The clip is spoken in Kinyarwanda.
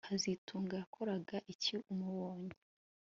kazitunga yakoraga iki umubonye